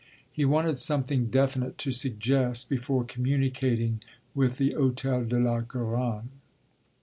He wanted something definite to suggest before communicating with the Hôtel de la Garonne.